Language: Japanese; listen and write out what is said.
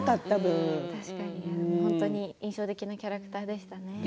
本当に印象的なキャラクターでしたね。